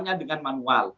kejahatan dengan manual